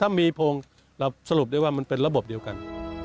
ถ้ามีโพงเราสรุปได้ว่ามันเป็นระบบเดียวกัน